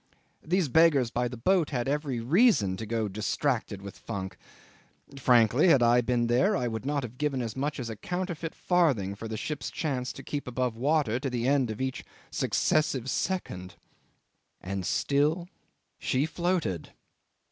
These beggars by the boat had every reason to go distracted with funk. Frankly, had I been there, I would not have given as much as a counterfeit farthing for the ship's chance to keep above water to the end of each successive second. And still she floated!